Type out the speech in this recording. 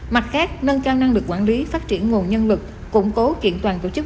mặt khác nâng cao năng lực quản lý phát triển nguồn nhân lực củng cố kiện toàn tổ chức